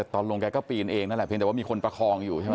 ตอนลงแกก็ปีนเองนั่นแหละเพียงแต่ว่ามีคนประคองอยู่ใช่ไหม